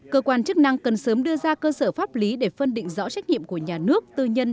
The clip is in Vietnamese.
cơ quan chức năng cần sớm đưa ra cơ sở pháp lý để phân định rõ trách nhiệm của nhà nước tư nhân